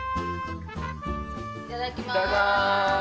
いただきまーす。